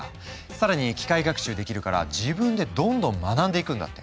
更に機械学習できるから自分でどんどん学んでいくんだって。